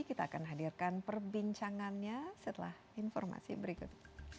kita akan hadirkan perbincangannya setelah informasi berikut